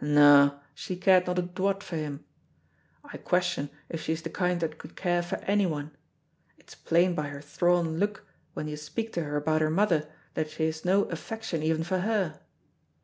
"No, she cared not a doit for him. I question if she's the kind that could care for anyone. It's plain by her thrawn look when you speak to her about her mother that she has no affection even for her.